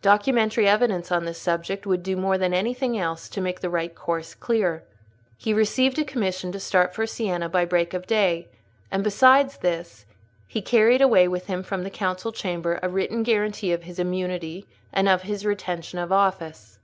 Documentary evidence on this subject would do more than anything else to make the right course clear. He received a commission to start for Siena by break of day; and, besides this, he carried away with him from the council chamber a written guarantee of his immunity and of his retention of office.